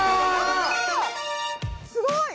すごい！